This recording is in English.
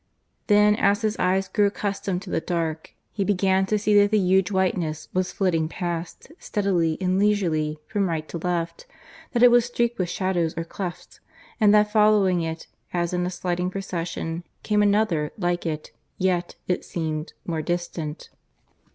Then, as his eyes grew accustomed to the dark, he began to see that the huge whiteness was flitting past, steadily and leisurely, from right to left; that it was streaked with shadows or clefts; and that following it, as in a sliding procession, came another, like it, yet (it seemed) more distant.